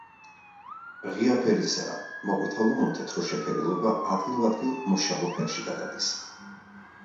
ღია ფერისაა, მოყვითალო-მოთეთრო შეფერილობა ადგილ-ადგილ მოშავო ფერში გადადის.